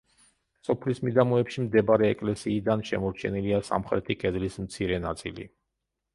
სოფლის მიდამოებში მდებარე ეკლესიიდან შემორჩენილია სამხრეთი კედლის მცირე ნაწილი.